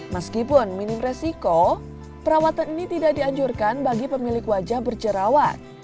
meskipun minim resiko perawatan ini tidak dianjurkan bagi pemilik wajah berjerawat